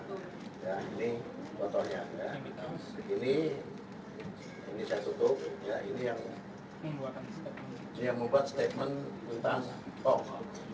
ini foto nya ini saya tutup ini yang membuat statement tentang pok